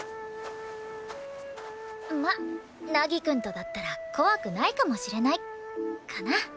まあ凪くんとだったら怖くないかもしれないかな。